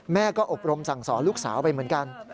แม่ก็อบรมสั่งสอนลูกสาวไปเหมือนกัน